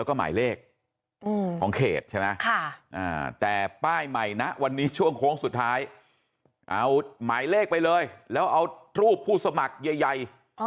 เอาหมายเลขไปเลยแล้วเอาทรูปผู้สมัครใหญ่